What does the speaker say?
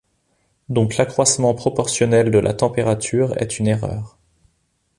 Donc, l’accroissement proportionnel de la température est une erreur.